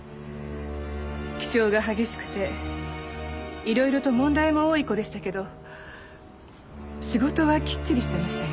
気性が激しくていろいろと問題も多い子でしたけど仕事はきっちりしていましたよ。